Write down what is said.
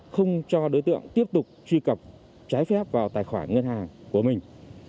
không cho đối tượng tiếp tục truy cập trái phép vào tài khoản ngân hàng của mình